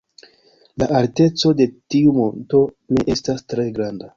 La alteco de tiu monto ne estas tre granda.